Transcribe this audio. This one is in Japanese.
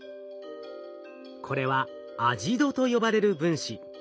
これはアジドと呼ばれる分子。